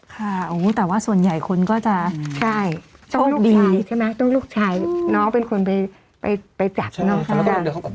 ค่ะแต่ว่าส่วนใหญ่คุณก็จะโชคดีต้องลูกชายใช่ไหมต้องลูกชายน้องเป็นคนไปจับ